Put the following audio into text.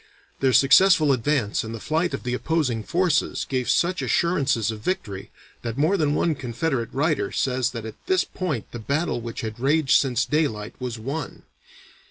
Their successful advance and the flight of the opposing forces gave such assurances of victory that more than one Confederate writer says that at this point the battle which had raged since daylight was won.